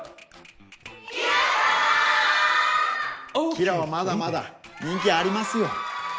キラはまだまだ人気ありますよ。